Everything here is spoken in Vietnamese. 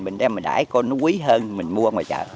mình đem mình đải con nó quý hơn mình mua ngoài chợ